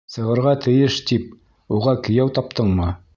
Сығырға тейеш тип, уға кейәү таптыңмы?